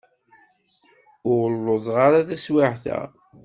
Ur lluẓeɣ ara taswiεt-a.